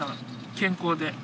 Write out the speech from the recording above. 健康で。